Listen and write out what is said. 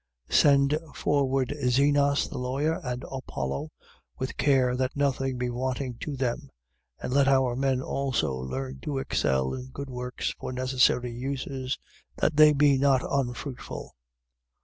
3:13. Send forward Zenas the lawyer and Apollo, with care that nothing be wanting to them. 3:14. And let our men also learn to excel in good works for necessary uses: that they be not unfruitful.